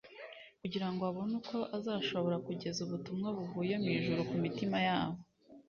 kugira ngo abone uko azashobora kugeza ubutumwa buvuye mu ijuru ku mitima yabo.